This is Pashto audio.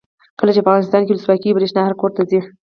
کله چې افغانستان کې ولسواکي وي برښنا هر کور ته ځي.